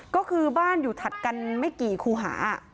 ก็คือบ้านอยู่ถัดกันไม่กี่คูหา